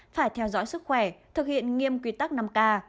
phải theo dõi sức khỏe thực hiện nghiêm quy tắc năm k